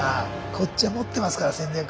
こっちは持ってますから戦略。